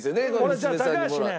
俺じゃあ高橋ね